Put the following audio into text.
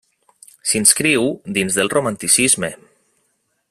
S'inscriu dins del Romanticisme.